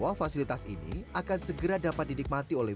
dan disini kita akan segera dapat didikmati oleh